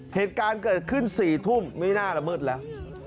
เหตุการณ์เกิดขึ้น๔ทุ่มไม่น่าละเมิดแล้ว